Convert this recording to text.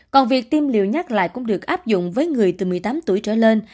còn việc tiêm liều nhắc lại cũng được áp dụng với người từ một mươi tám tuổi trở lên